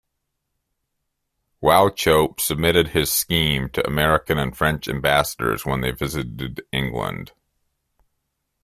Wauchope submitted his scheme to American and French ambassadors when they visited England.